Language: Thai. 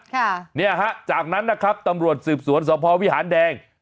ค่ะเนี่ยฮะจากนั้นนะครับตำรวจสืบสวนสพวิหารแดง